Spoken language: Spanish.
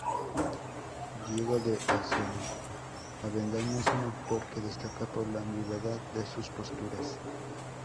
Diego de Avendaño es un autor que destaca por la ambigüedad de sus posturas.